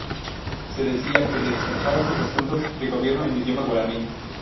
Se decía que despachaba sus asuntos de gobierno en idioma guaraní.